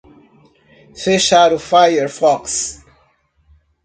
Fechar o firefox